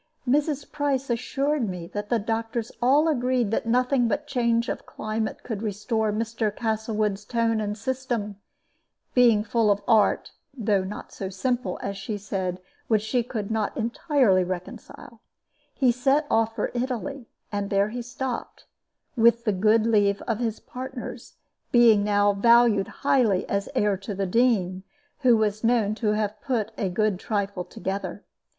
Mrs. Price assured me that the doctors all agreed that nothing but change of climate could restore Mr. Castlewood's tone and system, and being full of art (though so simple, as she said, which she could not entirely reconcile), he set off for Italy, and there he stopped, with the good leave of his partners, being now valued highly as heir to the Dean, who was known to have put a good trifle together.